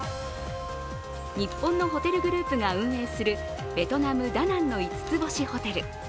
日本のホテルグループが運営するベトナム・ダナンの五つ星ホテル。